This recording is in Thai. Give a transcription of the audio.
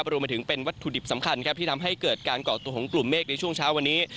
รวมไปถึงเป็นวัตถุดิบสำคัญที่ทำให้เกิดกล่องกลุ่มเมฆในช่วงเช้าวันนี้